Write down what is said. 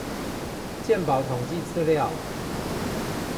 健保統計資料